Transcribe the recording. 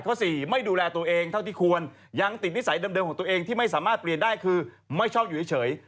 สี่ไม่ดูแลตัวเองเท่าที่ควรยังติดนิสัยเดิมของตัวเองที่ไม่สามารถเปลี่ยนได้คือไม่ชอบอยู่เฉย